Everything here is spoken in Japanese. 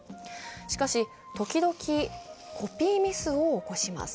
しかし、時々コピーミスを起こします。